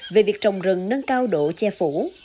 về việc trồng rừng nâng cao độ che phủ